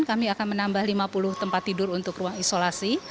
kami akan menambah lima puluh tempat tidur untuk ruang isolasi